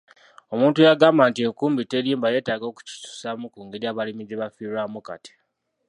Omuntu eyagamba nti enkumbi terimba yetaaga okukikyusa ku ngeri abalimi gye bafiirwamu kati.